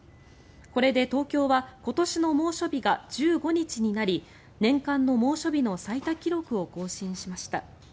これで東京は今年の猛暑日が１５日になり年間の猛暑日の最多記録を更新しました。